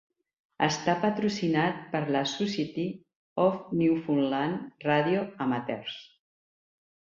Està patrocinat per la Society Of Newfoundland Radio Amateurs.